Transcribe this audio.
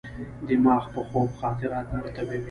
دماغ په خوب خاطرات مرتبوي.